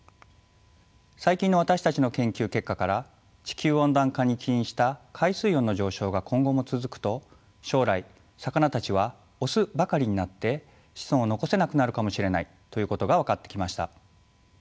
最近の私たちの研究結果から地球温暖化に起因した海水温の上昇が今後も続くと将来魚たちはオスばかりになって子孫を残せなくなるかもしれないということが分かってきました。